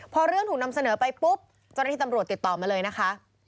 พอเรื่องถูกนำเสนอไปปุ๊บเจ้าหน้าที่ตำรวจติดต่อมาเลยนะคะ